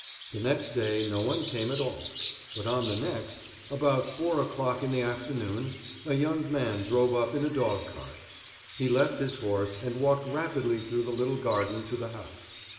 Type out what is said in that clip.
The next day no one came at all; but on the next, about four o'clock in the afternoon, a young man drove up in a dog cart. He left his horse, and walked rapidly through the little garden to the house.